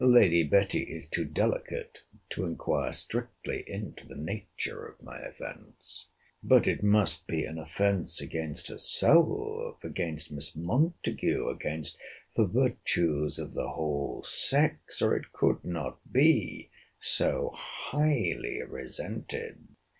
Lady Betty is too delicate to inquire strictly into the nature of my offence. But it must be an offence against herself, against Miss Montague, against the virtuous of the whole sex, or it could not be so highly resented.